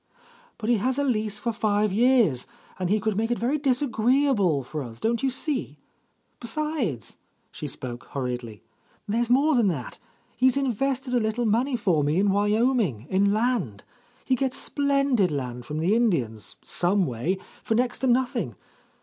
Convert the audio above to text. "But he has a lease for five years, and he could make it very disagreeable for us, don't you see? Besides," she spoke hurriedly, "there's mor6 than that. He's invested a little money for me in Wyoming, in land. He gets splendid land from the Indians some way, for next to nothing.